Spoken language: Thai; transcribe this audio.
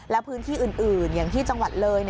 แล้วพื้นที่อื่นอย่างที่จังหวัดเลย